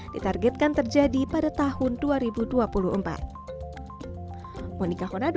ditargetkan terjadi pada tahun dua ribu dua puluh empat